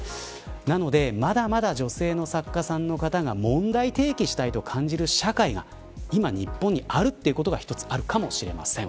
なので、まだまだ女性の作家さんの方が問題提起したいと感じる社会が今、日本にあるということが一つあるかもしれません。